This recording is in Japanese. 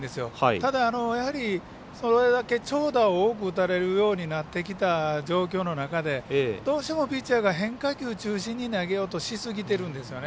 ただ、やはりそれだけ長打を多く打たれるようになってきた状況の中でどうしてもピッチャーが変化球中心に投げようとしすぎているんですよね。